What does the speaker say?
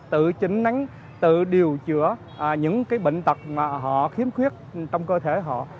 tự chỉnh nắng tự điều chữa những cái bệnh tật mà họ khiếm khuyết trong cơ thể họ